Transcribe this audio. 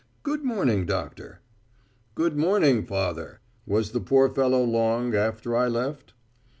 "Good morning, doctor." "Good morning, Father. Was the poor fellow long after I left?"